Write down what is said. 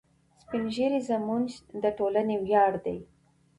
سپین ږیري زموږ د ټولنې ویاړ دي.